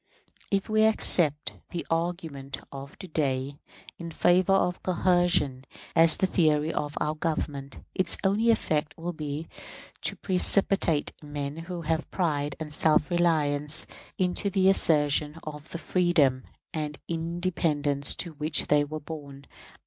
If we accept the argument of to day in favor of coercion as the theory of our Government, its only effect will be to precipitate men who have pride and self reliance into the assertion of the freedom and independence to which they were born.